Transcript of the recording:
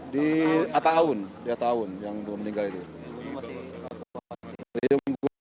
di atta awun yang dua meninggal itu